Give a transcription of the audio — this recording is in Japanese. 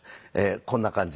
こんな感じで。